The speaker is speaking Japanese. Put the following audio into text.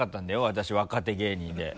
私若手芸人で。